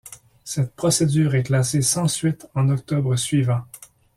Cette procédure est classée sans suite en octobre suivant.